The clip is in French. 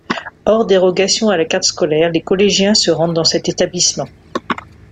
Hors dérogations à la carte scolaire, les collégiens se rendent dans cet établissement.